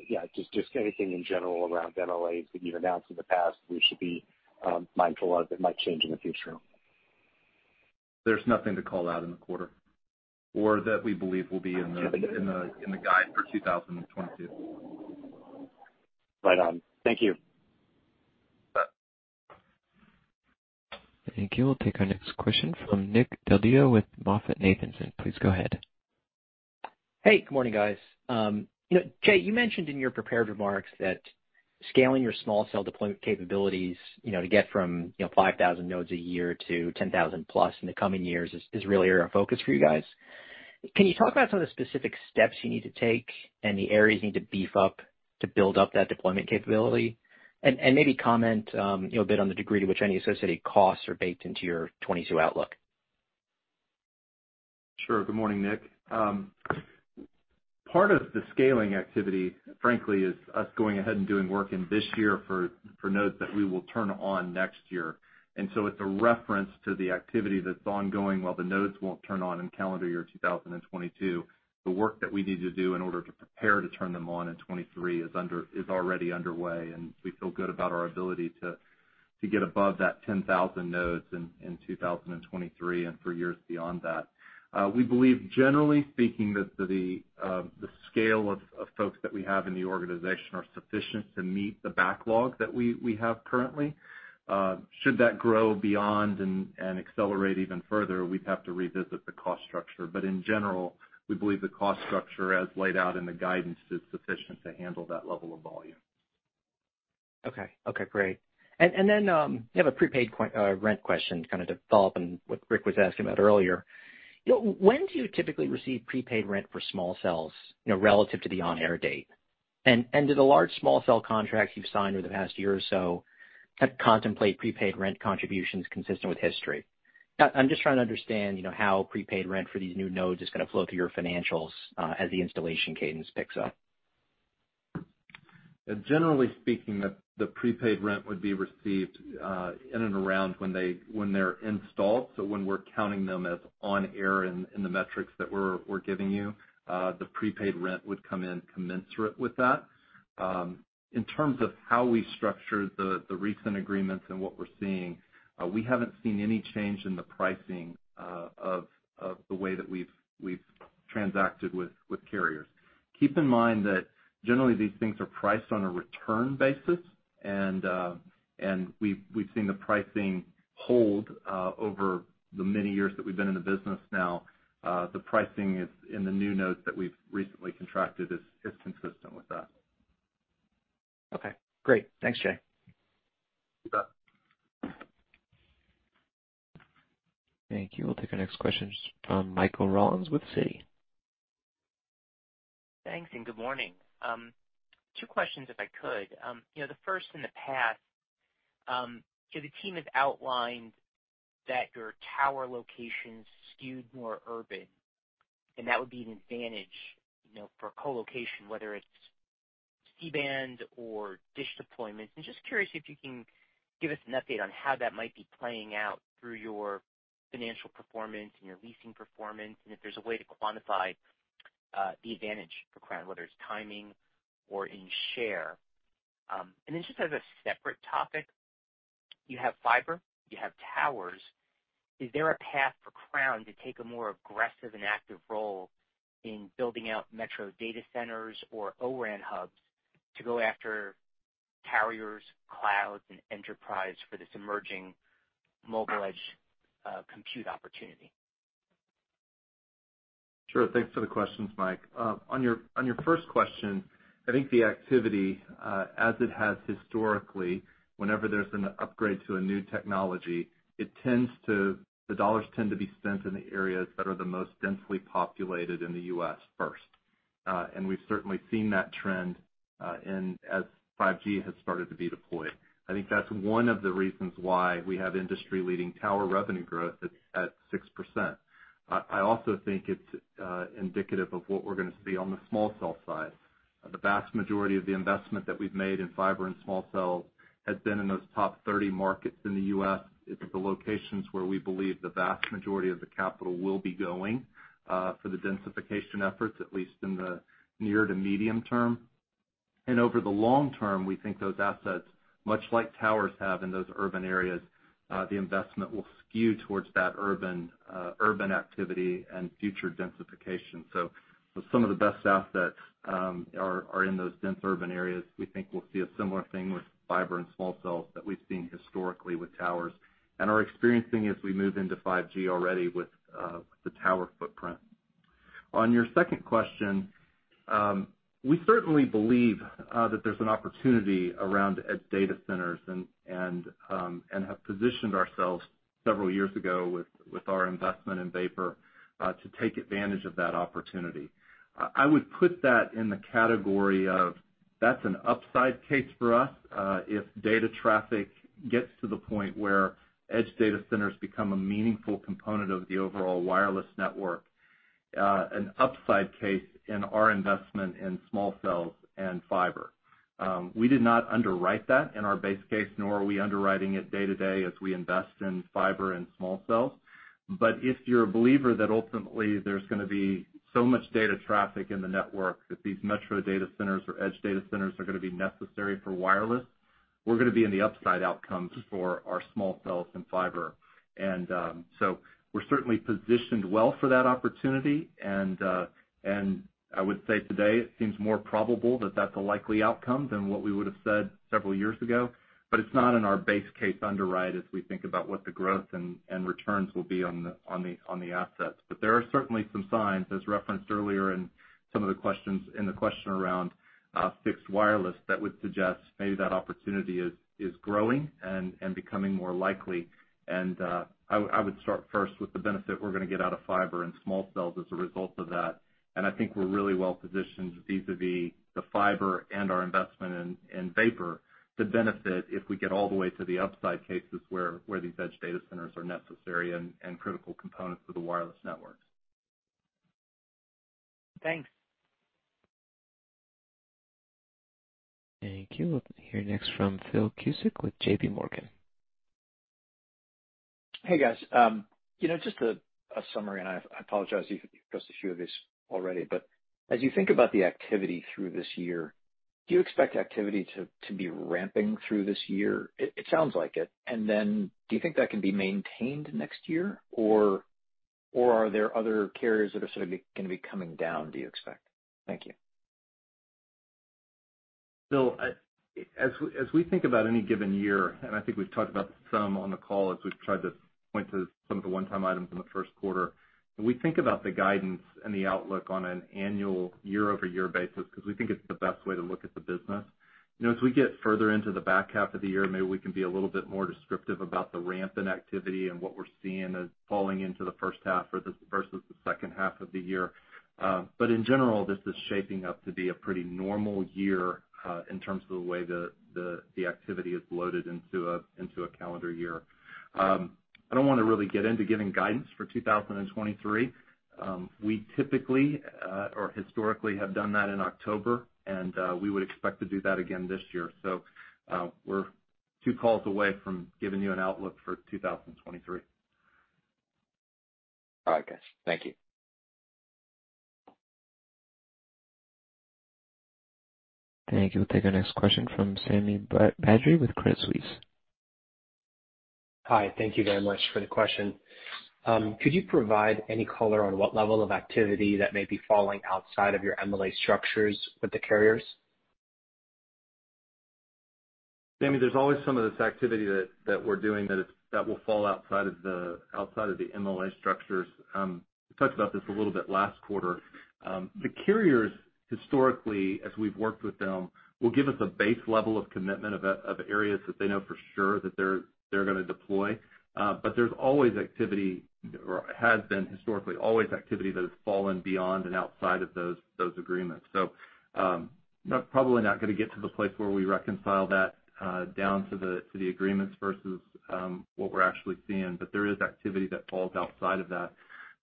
yeah, just anything in general around MLAs that you've announced in the past we should be mindful of that might change in the future? There's nothing to call out in the quarter or that we believe will be in the Okay. in the guide for 2022. Right on. Thank you. Bye. Thank you. We'll take our next question from Nick Del Deo with MoffettNathanson. Please go ahead. Hey, good morning, guys. You know, Jay, you mentioned in your prepared remarks that scaling your small cell deployment capabilities, you know, to get from 5,000 nodes a year to 10,000+ in the coming years is really a focus for you guys. Can you talk about some of the specific steps you need to take and the areas you need to beef up to build up that deployment capability? And maybe comment, you know, a bit on the degree to which any associated costs are baked into your 2022 outlook. Sure. Good morning, Nick. Part of the scaling activity, frankly, is us going ahead and doing work in this year for nodes that we will turn on next year. It's a reference to the activity that's ongoing. While the nodes won't turn on in calendar year 2022, the work that we need to do in order to prepare to turn them on in 2023 is already underway, and we feel good about our ability to get above that 10,000 nodes in 2023 and for years beyond that. We believe, generally speaking, that the scale of folks that we have in the organization is sufficient to meet the backlog that we have currently. Should that grow beyond and accelerate even further, we'd have to revisit the cost structure. In general, we believe the cost structure as laid out in the guidance is sufficient to handle that level of volume. Okay. Okay, great. Then you have a prepaid rent question to kind of follow up on what Ric was asking about earlier. You know, when do you typically receive prepaid rent for small cells, you know, relative to the on-air date? Do the large small cell contracts you've signed over the past year or so contemplate prepaid rent contributions consistent with history? I'm just trying to understand, you know, how prepaid rent for these new nodes is gonna flow through your financials as the installation cadence picks up. Generally speaking, the prepaid rent would be received in and around when they're installed. When we're counting them as on air in the metrics that we're giving you, the prepaid rent would come in commensurate with that. In terms of how we structure the recent agreements and what we're seeing, we haven't seen any change in the pricing of the way that we've transacted with carriers. Keep in mind that generally these things are priced on a return basis. We've seen the pricing hold over the many years that we've been in the business now. The pricing in the new nodes that we've recently contracted is consistent with that. Okay, great. Thanks, Jay. Bye. Thank you. We'll take our next question from Michael Rollins with Citi. Thanks, good morning. Two questions, if I could. You know, the first in the past, so the team has outlined that your tower locations skewed more urban, and that would be an advantage, you know, for co-location, whether it's C-band or DISH deployments. I'm just curious if you can give us an update on how that might be playing out through your financial performance and your leasing performance, and if there's a way to quantify the advantage for Crown, whether it's timing or in share. Just as a separate topic, you have fiber, you have towers. Is there a path for Crown to take a more aggressive and active role in building out metro data centers or O-RAN hubs to go after carriers, clouds, and enterprise for this emerging mobile edge compute opportunity? Sure. Thanks for the questions, Mike. On your first question, I think the activity, as it has historically, whenever there's an upgrade to a new technology, the dollars tend to be spent in the areas that are the most densely populated in the U.S. first. We've certainly seen that trend in, as 5G has started to be deployed. I think that's one of the reasons why we have industry-leading tower revenue growth at 6%. I also think it's indicative of what we're gonna see on the small cell side. The vast majority of the investment that we've made in fiber and small cells has been in those top 30 markets in the U.S. It's the locations where we believe the vast majority of the capital will be going for the densification efforts, at least in the near to medium term. Over the long term, we think those assets, much like towers have in those urban areas, the investment will skew towards that urban activity and future densification. Some of the best assets are in those dense urban areas. We think we'll see a similar thing with fiber and small cells that we've seen historically with towers and are experiencing as we move into 5G already with the tower footprint. On your second question, we certainly believe that there's an opportunity around edge data centers and have positioned ourselves several years ago with our investment in Vapor to take advantage of that opportunity. I would put that in the category of that's an upside case for us if data traffic gets to the point where edge data centers become a meaningful component of the overall wireless network, an upside case in our investment in small cells and fiber. We did not underwrite that in our base case, nor are we underwriting it day-to-day as we invest in fiber and small cells. But if you're a believer that ultimately there's gonna be so much data traffic in the network that these metro data centers or edge data centers are gonna be necessary for wireless, we're gonna be in the upside outcomes for our small cells and fiber. We're certainly positioned well for that opportunity. I would say today it seems more probable that that's a likely outcome than what we would have said several years ago. It's not in our base case underwrite as we think about what the growth and returns will be on the assets. There are certainly some signs, as referenced earlier in some of the questions in the question around fixed wireless, that would suggest maybe that opportunity is growing and becoming more likely. I would start first with the benefit we're gonna get out of fiber and small cells as a result of that. I think we're really well positioned vis-à-vis the fiber and our investment in Vapor IO to benefit if we get all the way to the upside cases where these edge data centers are necessary and critical components of the wireless networks. Thanks. Thank you. We'll hear next from Philip Cusick with J.P. Morgan. Hey, guys. You know, just a summary, and I apologize if you've addressed a few of these already. As you think about the activity throughout this year, do you expect activity to be ramping through this year? It sounds like it. Then do you think that can be maintained next year, or are there other carriers that are sort of gonna be coming down, do you expect? Thank you. Phil, as we think about any given year, and I think we've talked about this some on the call as we've tried to point to some of the one-time items in the first quarter. When we think about the guidance and the outlook on an annual year-over-year basis, 'cause we think it's the best way to look at the business, you know, as we get further into the back half of the year, maybe we can be a little bit more descriptive about the ramp in activity and what we're seeing as falling into the first half or versus the second half of the year. In general, this is shaping up to be a pretty normal year, in terms of the way the activity is loaded into a calendar year. I don't wanna really get into giving guidance for 2023. We typically or historically have done that in October, and we would expect to do that again this year. We're two calls away from giving you an outlook for 2023. All right, guys. Thank you. Thank you. We'll take our next question from Sami Badri with Credit Suisse. Hi. Thank you very much for the question. Could you provide any color on what level of activity may be falling outside of your MLA structures with the carriers? Sami, there's always some of this activity that we're doing that will fall outside of the MLA structures. We talked about this a little bit last quarter. The carriers, historically, as we've worked with them, will give us a base level of commitment to areas that they know for sure that they're gonna deploy. There's always been activity or has been historically always activity that has fallen beyond and outside of those agreements. Probably not gonna get to the place where we reconcile that down to the agreements versus what we're actually seeing. There is activity that falls outside of that,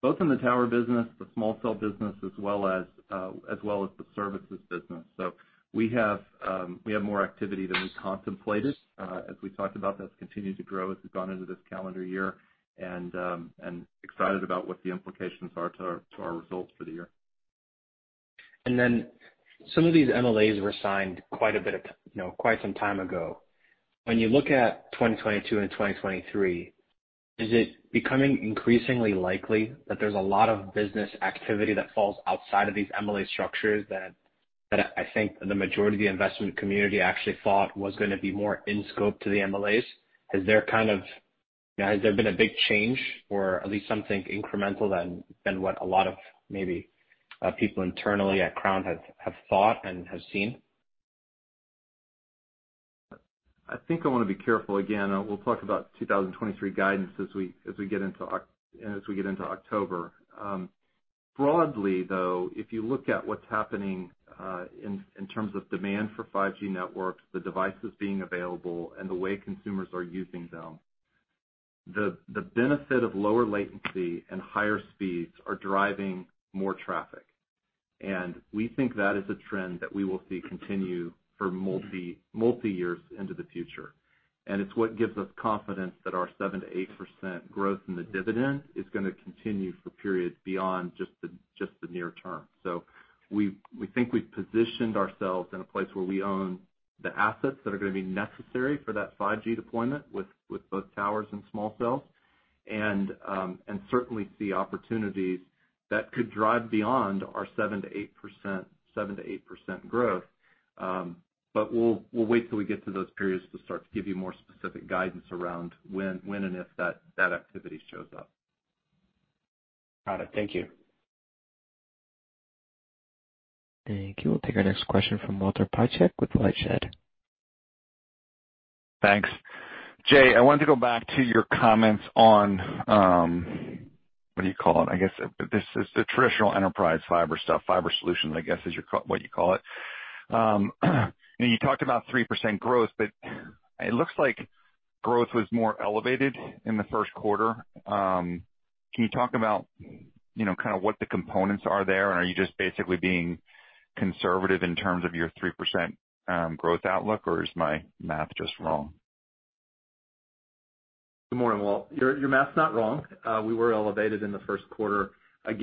both in the tower business, the small cell business, as well as the services business. We have more activity than we contemplated, as we talked about. That's continued to grow as we've gone into this calendar year, and excited about what the implications are to our results for the year. Some of these MLAs were signed quite some time ago. When you look at 2022 and 2023, is it becoming increasingly likely that there's a lot of business activity that falls outside of these MLA structures that I think the majority of the investment community actually thought was gonna be more in scope to the MLAs? Is there a kind of, you know, has there been a big change or at least something incremental, than what a lot of maybe people internally at Crown have thought and have seen? I think I wanna be careful again. We'll talk about 2023 guidance as we get into October. Broadly, though, if you look at what's happening in terms of demand for 5G networks, the devices being available and the way consumers are using them, the benefit of lower latency and higher speeds is driving more traffic. We think that is a trend that we will see continue for multiple years into the future. It's what gives us confidence that our 7%-8% growth in the dividend is gonna continue for periods beyond just the near term. We think we've positioned ourselves in a place where we own the assets that are gonna be necessary for that 5G deployment with both towers and small cells, and certainly see opportunities that could drive beyond our 7%-8% growth. But we'll wait till we get to those periods to start to give you more specific guidance around when and if that activity shows up. Got it. Thank you. Thank you. We'll take our next question from Walter Piecyk with LightShed. Thanks. Jay, I wanted to go back to your comments on what do you call it. I guess this is the traditional enterprise fiber stuff, fiber solution, I guess, is your what you call it. You talked about 3% growth, but it looks like growth was more elevated in the first quarter. Can you talk about, you know, kind of what the components are there? Are you just basically being conservative in terms of your 3% growth outlook, or is my math just wrong? Good morning, Walt. Your math's not wrong. We were elevated in the first quarter. We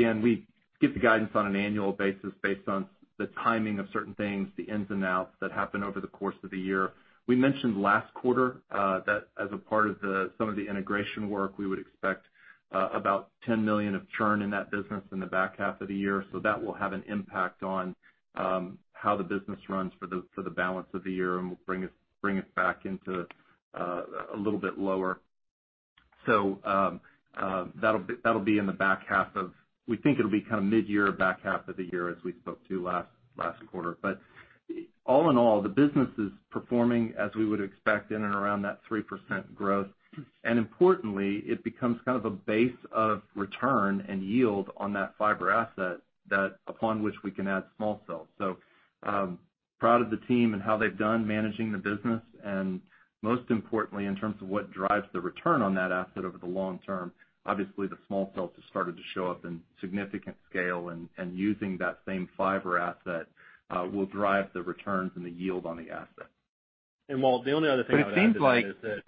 give the guidance on an annual basis based on the timing of certain things, the ins and outs that happen over the course of the year. We mentioned last quarter that as a part of some of the integration work, we would expect about $10 million of churn in that business in the back half of the year. That will have an impact on how the business runs for the balance of the year and will bring us back to a little bit lower. That'll be in the back half of the year as we spoke to last quarter. We think it'll be kind of mid-year, back half of the year, as we spoke about last quarter. All in all, the business is performing as we would expect in and around that 3% growth. Importantly, it becomes kind of a base of return and yield on that fiber asset that, upon which we can add small cells. Proud of the team and how they've done managing the business, and most importantly, in terms of what drives the return on that asset over the long-term. Obviously, the small cells have started to show up in significant scale, and using that same fiber asset will drive the returns and the yield on the asset. Walt, the only other thing I'd add to that is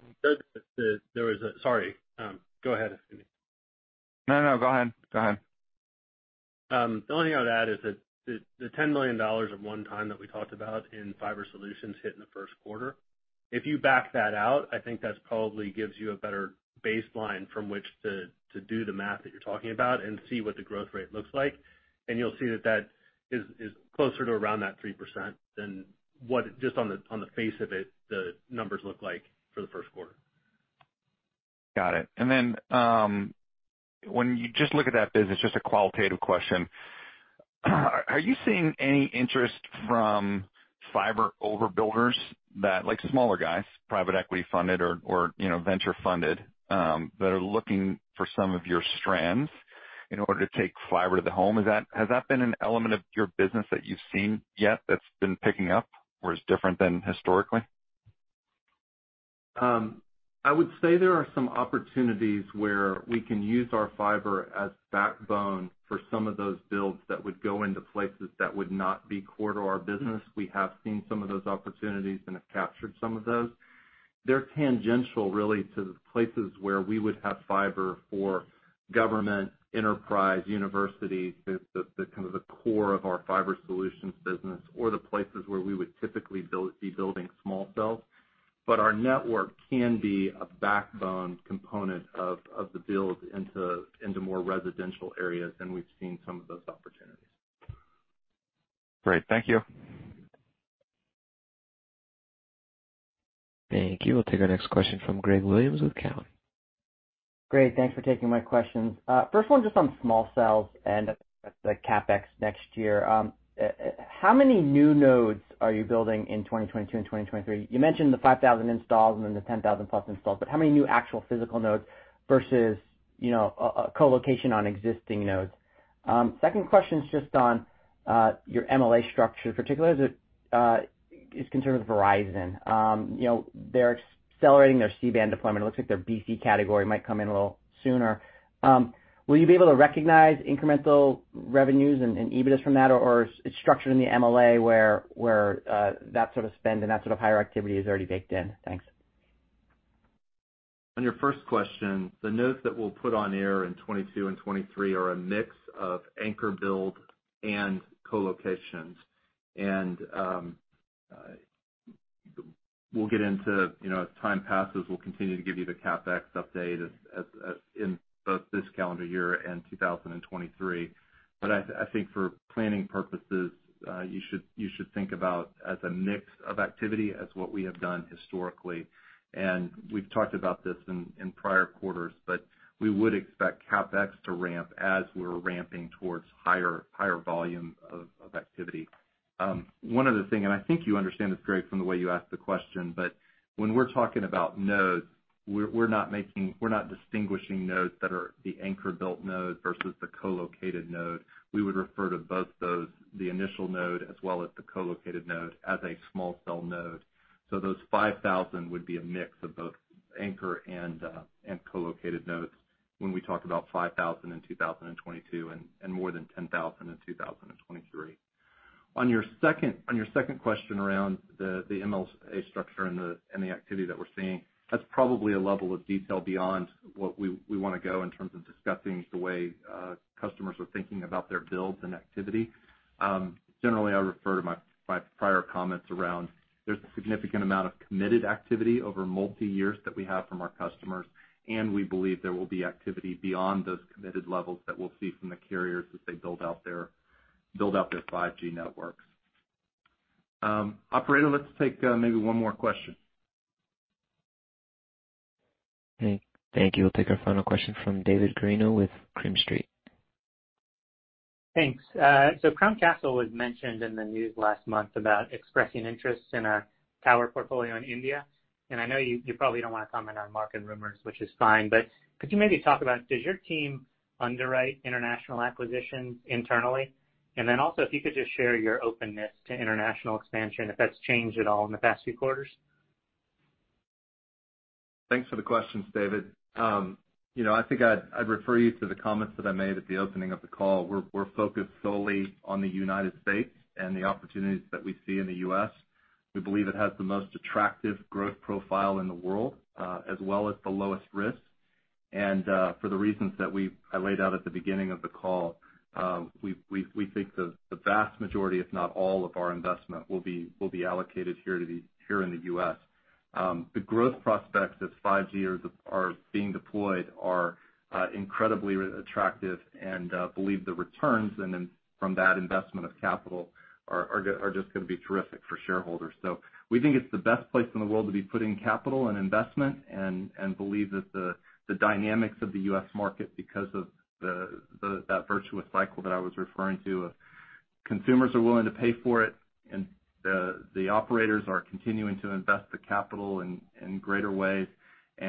that the $10 million of one-time that we talked about in fiber solutions hit in the first quarter. If you back that out, I think that probably gives you a better baseline from which to do the math that you're talking about and see what the growth rate looks like. You'll see that is closer to around that 3% than what, just on the face of it, the numbers look like for the first quarter. Got it. When you just look at that business, just a qualitative question, are you seeing any interest from fiber overbuilders that like smaller guys, private equity funded or, you know, venture funded, that are looking for some of your strands in order to take fiber to the home? Has that been an element of your business that you've seen yet that's been picking up or is different than historically? I would say there are some opportunities where we can use our fiber as a backbone for some of those builds that would go into places that would not be core to our business. We have seen some of those opportunities and have captured some of those. They're tangential, really, to the places where we would have fiber for government, enterprise, universities, the kind of core of our fiber solutions business or the places where we would typically build small cells. Our network can be a backbone component of the building into more residential areas, and we've seen some of those opportunities. Great. Thank you. Thank you. We'll take our next question from Gregory Williams with Cowen. Great. Thanks for taking my questions. First one, just on small cells and the CapEx next year. How many new nodes are you building in 2022 and 2023? You mentioned the 5,000 installs and then the 10,000 plus installs, but how many new actual physical nodes versus, you know, a co-location on existing nodes? The second question is just on your MLA structure, particularly as it is concerned with Verizon. You know, they're accelerating their C-band deployment. It looks like their B/C category might come in a little sooner. Will you be able to recognize incremental revenues and EBITDA from that, or is it structured in the MLA where that sort of spend and that sort of higher activity is already baked in? Thanks. On your first question, the nodes that we'll put on air in 2022 and 2023 are a mix of anchor build and co-locations. We'll get into, you know, as time passes, we'll continue to give you the CapEx update, as in both this calendar year and 2023. I think for planning purposes, you should think about it as a mix of activities, as what we have done historically. We've talked about this in prior quarters, but we would expect CapEx to ramp as we're ramping towards higher volume of activity. One other thing, I think you understand this, Greg, from the way you ask the question, but when we're talking about nodes, we're not distinguishing nodes that are the anchor built node versus the co-located node. We would refer to both the initial node as well as the co-located node as a small cell node. Those 5,000 would be a mix of both anchor and co-located nodes when we talk about 5,000 in 2022 and more than 10,000 in 2023. On your second question around the MLA structure and the activity that we're seeing, that's probably a level of detail beyond what we wanna go in terms of discussing the way customers are thinking about their builds and activity. Generally, I refer to my prior comments around there's a significant amount of committed activity over multi-years that we have from our customers, and we believe there will be activity beyond those committed levels that we'll see from the carriers as they build out their 5G networks. Operator, let's take maybe one more question. Okay. Thank you. We'll take our final question from David Guarino with Green Street. Thanks. So Crown Castle was mentioned in the news last month about expressing interest in a tower portfolio in India. I know you probably don't wanna comment on market rumors, which is fine, but could you maybe talk about does your team underwrite international acquisitions internally? Also if you could just share your openness to international expansion, if that's changed at all in the past few quarters? Thanks for the questions, David. You know, I think I'd refer you to the comments that I made at the opening of the call. We're focused solely on the United States and the opportunities that we see in the U.S. We believe it has the most attractive growth profile in the world, as well as the lowest risk. For the reasons that I laid out at the beginning of the call, we think the vast majority, if not all of our investment, will be allocated here in the U.S. The growth prospects as 5G are being deployed are incredibly attractive and we believe the returns from that investment of capital are just gonna be terrific for shareholders. We think it's the best place in the world to be putting capital and investment and believe that the dynamics of the U.S. market because of that virtuous cycle that I was referring to of consumers are willing to pay for it, and the operators are continuing to invest the capital in greater ways. They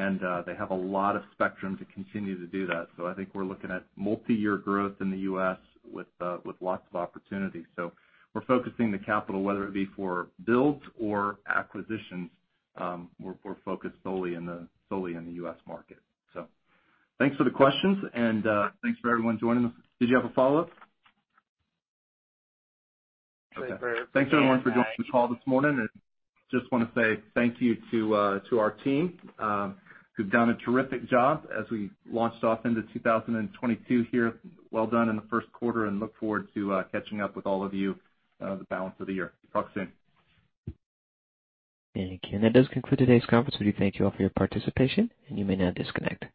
have a lot of spectrum to continue to do that. I think we're looking at multiyear growth in the U.S. with lots of opportunities. We're focusing the capital, whether it be for builds or acquisitions, we're focused solely in the U.S. market. Thanks for the questions and thanks for everyone joining us. Did you have a follow-up? Thanks, everyone, for joining the call this morning, and just wanna say thank you to our team who've done a terrific job as we launched off into 2022 here. Well done in the first quarter, and I look forward to catching up with all of you the balance of the year. Talk soon. That does conclude today's conference. We thank you all for your participation, and you may now disconnect.